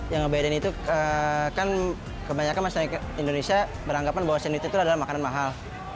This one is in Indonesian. yang ngebedain itu kan kebanyakan masyarakat indonesia beranggapan bahwa sandwich itu adalah makanan mahal